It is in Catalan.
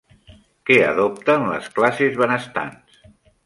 Què adopten les classes benestants?